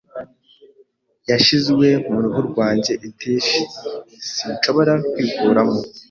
yashyizwe mu ruhu rwanjye, itch sinshobora kwikuramo